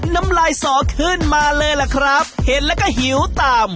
น้ำลายสอขึ้นมาเลยล่ะครับเห็นแล้วก็หิวตาม